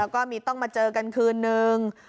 ก็มีต้องมาเจอกันคืนนึง